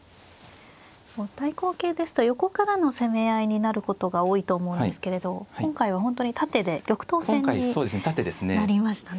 対抗型ですと横からの攻め合いになることが多いと思うんですけれど今回は本当に縦で玉頭戦になりましたね。